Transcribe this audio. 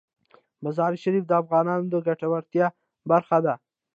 مزارشریف د افغانانو د ګټورتیا برخه ده.